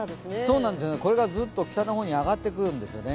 これがずっと北の方に上がってくるんですよね。